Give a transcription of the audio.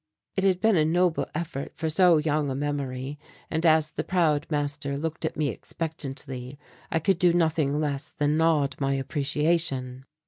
It had been a noble effort for so young a memory and as the proud master looked at me expectantly I could do nothing less than nod my appreciation.